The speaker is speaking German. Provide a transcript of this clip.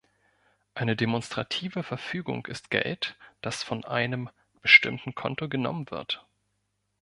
Eine demonstrative Verfügung ist Geld, das von einem bestimmte Konto genommen wird.